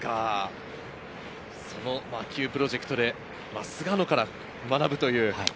その魔球プロジェクトで、菅野から学ぶという。